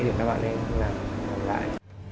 thì các bạn ấy làm lại